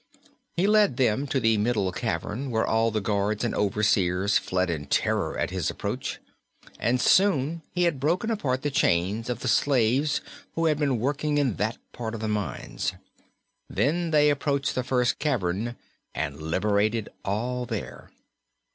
He led them to the middle cavern, where all the guards and overseers fled in terror at his approach, and soon he had broken apart the chains of the slaves who had been working in that part of the mines. Then they approached the first cavern and liberated all there.